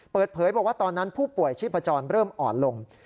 เปิดเผยบอกว่าตอนนั้นผู้ป่วยชีพจรเริ่มอ่อนลง